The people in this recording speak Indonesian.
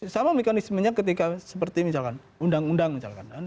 sama mekanismenya ketika seperti misalkan undang undang misalkan